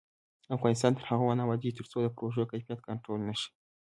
افغانستان تر هغو نه ابادیږي، ترڅو د پروژو کیفیت کنټرول نشي.